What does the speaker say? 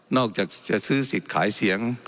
อกจากจะซื้อสิทธิ์ขายเสียง